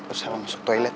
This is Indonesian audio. usah masuk toilet